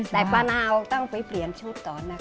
แต่ป้านาวต้องไปเปลี่ยนชุดก่อนนะคะ